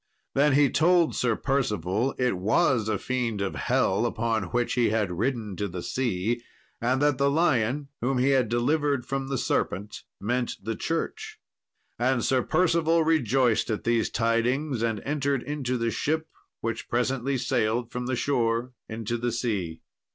Then he told Sir Percival it was a fiend of hell upon which he had ridden to the sea, and that the lion, whom he had delivered from the serpent, meant the Church. And Sir Percival rejoiced at these tidings, and entered into the ship, which presently sailed from the shore into the sea.